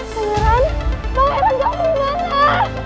pangeran pangeran gak mau dimana